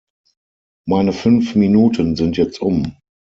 Meine fünf Minuten sind jetzt um.